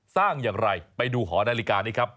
สร้างอย่างไรไปดูหอนาฬิกานี้ครับ